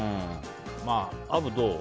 アブどう？